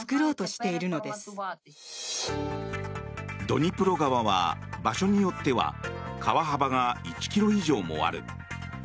ドニプロ川は場所によっては川幅が１ｋｍ以上もある。